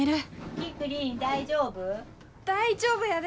・キクリン大丈夫？大丈夫やで。